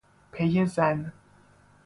پی زن